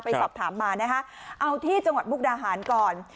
สอบถามมานะคะเอาที่จังหวัดมุกดาหารก่อน